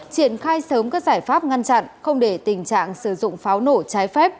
triển khai sớm các giải pháp ngăn chặn không để tình trạng sử dụng pháo nổ trái phép